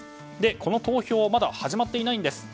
この投票はまだ始まっていないんです。